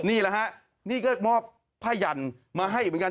นี่เหรอฮะนี่ก็มอบพระยันมาให้อีกเหมือนกัน